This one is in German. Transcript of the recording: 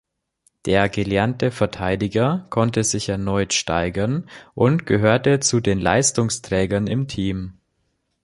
Der gelernte Verteidiger konnte sich erneut steigern und gehörte zu den Leistungsträgern im Team.